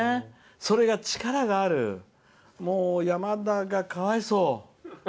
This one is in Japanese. それが力がある山田がかわいそう。